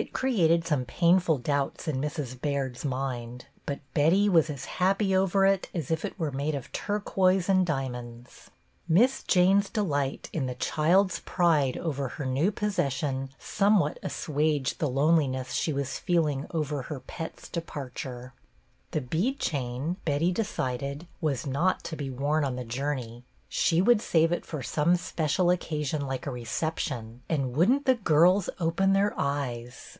It created some painful doubts in Mrs. Baird's mind, but Betty was as happy over it as if it were made of turquoise and diamonds. Miss Jane's delight in the child's AT LAST THE DAY! 37 pride over her new possession somewhat assuaged the loneliness she was feeling over her pet's departure. The bead chain, Betty decided, was not to be worn on the journey; she would save it for some special occasion like a reception, and would n't the girls open their eyes!